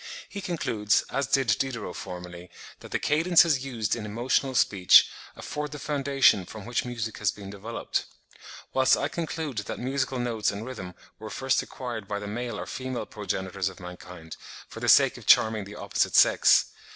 He concludes, as did Diderot formerly, that the cadences used in emotional speech afford the foundation from which music has been developed; whilst I conclude that musical notes and rhythm were first acquired by the male or female progenitors of mankind for the sake of charming the opposite sex.